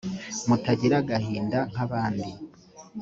mutagira agahinda nk abandi